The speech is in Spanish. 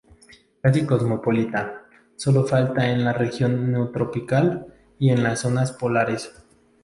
Casi cosmopolita, solo falta en la región neotropical y en las zonas polares.